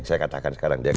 saya katakan sekarang